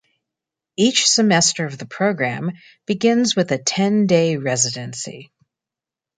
Each semester of the program begins with a ten-day residency.